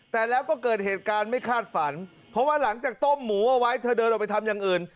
แต่แล้วก็เกิดเหตุการณ์ไม่คาดฝันเพราะว่าหลังจากต้มหมูเอาไว้เธอเดินออกไปทำอย่างอื่น